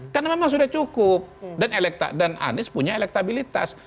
karena memang sudah cukup dan anies punya elektabilitas